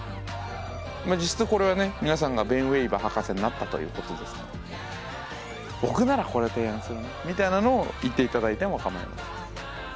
実質これはね皆さんがベン・ウェイバー博士になったということですから僕ならこれを提案するなみたいなのを言って頂いてもかまいません。